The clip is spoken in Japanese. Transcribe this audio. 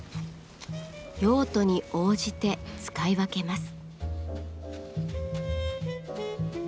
用途に応じて使い分けます。